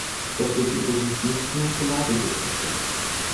Das gilt übrigens nicht nur für Ladegeräte.